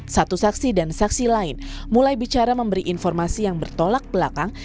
satu saksi dan saksi lain mulai bicara memberi informasi yang bertolak belakang